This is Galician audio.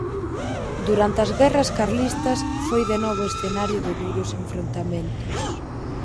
Durante as guerras carlistas foi de novo escenario de duros enfrontamentos.